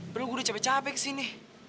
perlu gue udah capek capek kesini